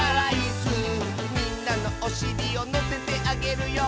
「みんなのおしりをのせてあげるよ」